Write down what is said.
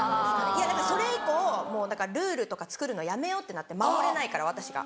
いやだからそれ以降ルールとか作るのやめようってなって守れないから私が。